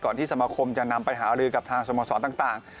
ที่สมาคมจะนำไปหารือกับทางสโมสรต่าง